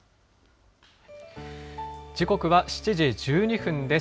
時刻は７時１２分です。